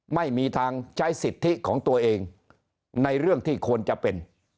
ไม่มีทางใช้สิทธิของตัวเองในเรื่องที่ควรจะเป็น